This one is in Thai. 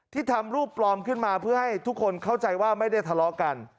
ทำรูปปลอมขึ้นมาเพื่อให้ทุกคนเข้าใจว่าไม่ได้ทะเลาะกัน